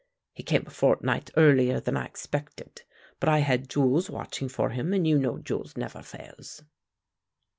He came a fortnight earlier than I expected; but I had Jules watching for him, and you know Jules never fails."